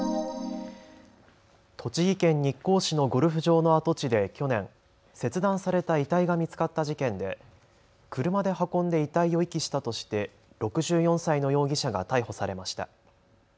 栃木県日光市のゴルフ場の跡地で去年、切断された遺体が見つかった事件で車で運んで遺体を遺棄したとして６４歳の容疑者が逮捕されました。